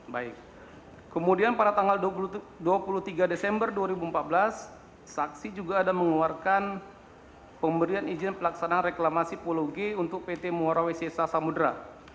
baik kemudian pada tanggal dua puluh tiga desember dua ribu empat belas saksi juga ada mengeluarkan pemberian izin pelaksanaan reklamasi pulau g untuk pt muarawisesa samudera